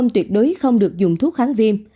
tuyệt đối không được dùng thuốc kháng viêm